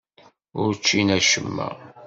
Ur ččin acemma.